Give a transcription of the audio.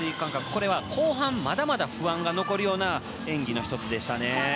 これは後半まだまだ不安が残るような演技の１つでした。